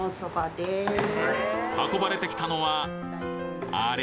運ばれてきたのはあれ？